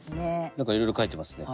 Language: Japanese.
何かいろいろ書いてますね。